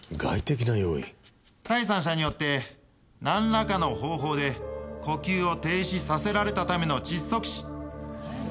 第三者によってなんらかの方法で呼吸を停止させられたための窒息死。